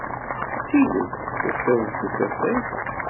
D tidet tusiḍ-d s usafag?